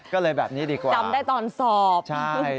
ก็เลยแบบนี้ดีกว่าใช่